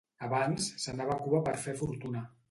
Abans s'anava a Cuba per fer fortuna.